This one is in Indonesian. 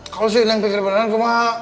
kalo sih ini yang pikir beneran kemah